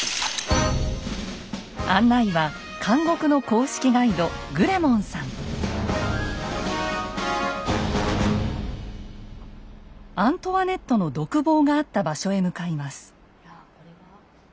案内は監獄の公式ガイドアントワネットの独房があった場所へ向かいます。